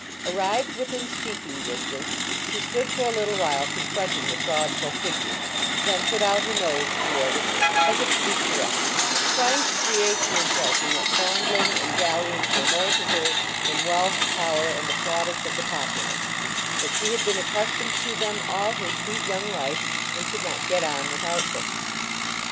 Arrived within speaking distance, she stood for a little while confronting the fraudful figure, then put out her nose toward it, as if to be caressed, trying to create the impression that fondling and dalliance were more to her than wealth, power and the plaudits of the populace that she had been accustomed to them all her sweet young life and could not get on without them.